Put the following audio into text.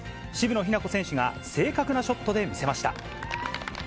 渋野日向子選手が正確なショットで見せました。